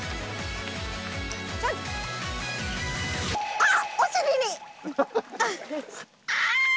あっ！